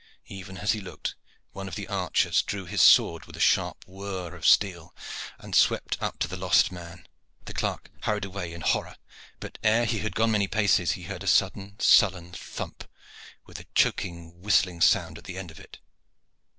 Even as he looked one of the archers drew his sword with a sharp whirr of steel and stept up to the lost man. The clerk hurried away in horror; but, ere he had gone many paces, he heard a sudden, sullen thump, with a choking, whistling sound at the end of it.